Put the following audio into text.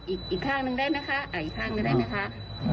อีกอีกข้างหนึ่งได้นะคะอ่าอีกข้างหนึ่งได้นะคะอ่า